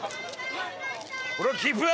これはキープ！